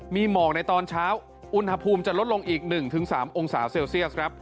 มีหมอกในตอนเช้าอุณหภูมิจะลดลงอีก๑๓องศาเซลเซียสครับ